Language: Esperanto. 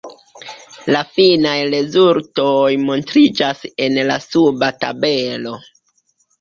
La finaj rezultoj montriĝas en la suba tabelo.